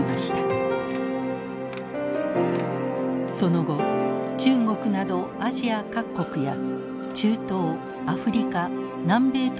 その後中国などアジア各国や中東アフリカ南米とも関係を強化。